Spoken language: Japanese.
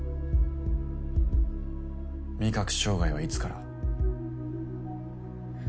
味覚障害はいつから？